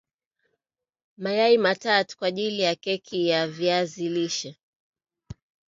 Mayai matatu kwaajili ya keki ya viazi lishe